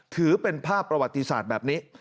ถือเป็นภาพประวัติศาสตร์แบบนี้